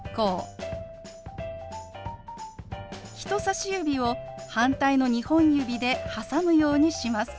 人さし指を反対の２本指で挟むようにします。